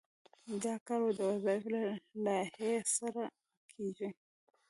دا کار د وظایفو له لایحې سره کیږي.